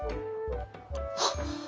あっ！